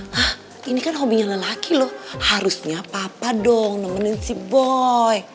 hah ini kan hobinya lelaki loh harusnya apa apa dong nemenin si boy